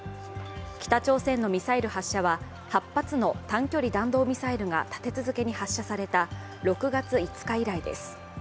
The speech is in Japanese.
北朝鮮のミサイル発射は８発の短距離弾道ミサイルが立て続けに発射された６月５日以来です。